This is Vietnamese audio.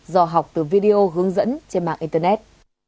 do học từ video hướng dẫn trên mạng internet